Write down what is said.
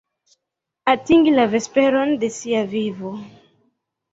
Atingi la vesperon de sia vivo.